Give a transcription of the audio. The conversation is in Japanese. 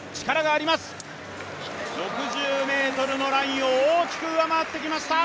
６０ｍのラインを大きく上回ってきました。